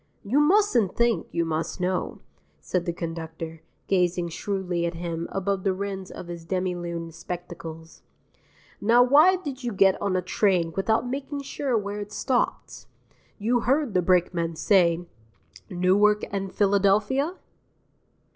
"You mustn't think, you must know," said the conductor, gazing shrewdly at him above the rims of his demi lune spectacles. "Now, why did you get on a train without making sure where it stopped? You heard the brakeman say: 'Newark and Philadelphia'?